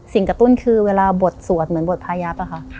กระตุ้นคือเวลาบทสวดเหมือนบทพายับอะค่ะ